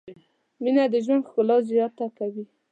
مینه د ژوند ښکلا زیاته کوي.